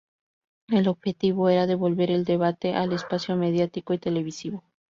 El objetivo era devolver el debate al espacio mediático y televisivo.